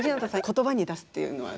言葉に出すっていうのは？